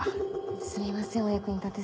すみませんお役に立てず。